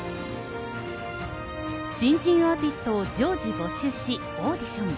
新人アーティストを常時募集し、オーディション。